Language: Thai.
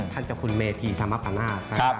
ท่านเจ้าคุณเมธีธรรมพนาค